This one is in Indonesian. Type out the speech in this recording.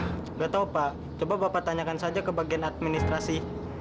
tidak tahu pak coba bapak tanyakan saja ke bagian administrasi